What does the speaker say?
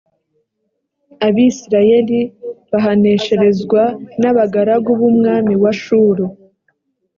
abisirayeli bahanesherezwa n abagaragu b’umwami wa shuru